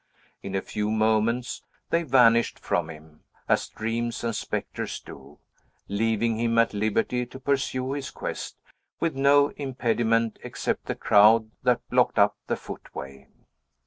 In a few moments they vanished from him, as dreams and spectres do, leaving him at liberty to pursue his quest, with no impediment except the crowd that blocked up the footway.